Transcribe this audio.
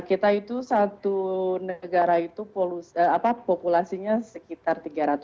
kita itu satu negara itu populasinya sekitar tiga ratus